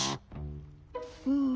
うん。